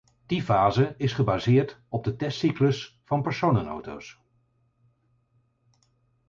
Die fase is gebaseerd op de testcyclus van personenauto's.